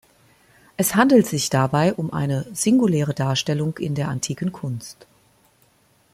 Es handelt sich dabei um eine singuläre Darstellung in der antiken Kunst.